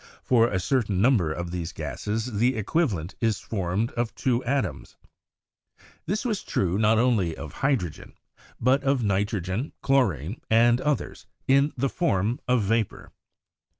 For a certain number of these gases the equivalent is formed of two atoms. This was true not BERZELIUS AND THE ATOMIC THEORY 209 only of hydrogen, but of nitrogen, chlorine, and others, in the form of vapor.